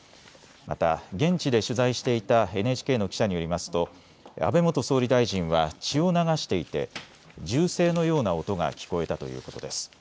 また現地で取材していたＮＨＫの記者によりますと安倍元総理大臣は血を流していて銃声のような音が聞こえたということです。